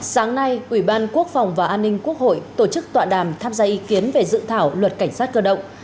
sáng nay ủy ban quốc phòng và an ninh quốc hội tổ chức tọa đàm tham gia ý kiến về dự thảo luật cảnh sát cơ động